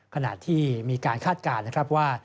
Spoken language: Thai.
ขณะที่มีการคาดการณ์นะครับว่า